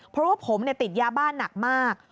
เพราะว่าผมติดยาบ้านหนักมาก